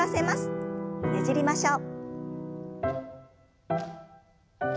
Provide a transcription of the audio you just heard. ねじりましょう。